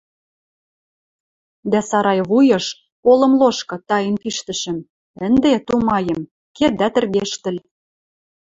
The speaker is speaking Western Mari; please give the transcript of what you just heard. дӓ сарай вуйыш, олым лошкы, таен пиштӹшӹм, ӹнде, тумаем, ке дӓ тӹргештӹл!